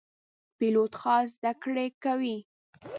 پیلوټ خاص زده کړې کوي.